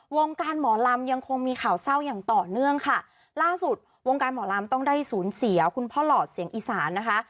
วงการหมอลำยังคงมีข่าวเศร้าอย่างต่อเนื่องค่ะล่าสุดวงการหมอลำต้องได้สูญเสียคุณพ่อหลอดเสียงอีสานนะคะ